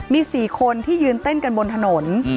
มี๔คนที่ยืนเต้นกันบนถนน